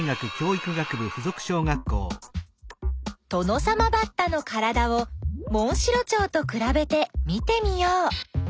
トノサマバッタのからだをモンシロチョウとくらべて見てみよう。